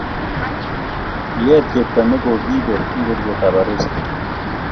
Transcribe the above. kiet chepto ne kokiibei ngorietab arusi